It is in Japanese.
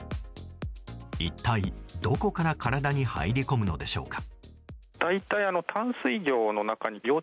一体どこから体に入り込むのでしょうか。